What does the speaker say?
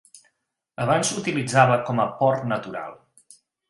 Abans s'utilitzava com a port natural.